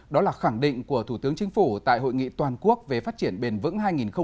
đó là khẳng định của thủ tướng chính phủ tại hội nghị toàn quốc về phát triển bền vững hai nghìn một mươi chín